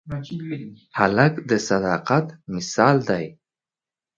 هلک د صداقت مثال دی.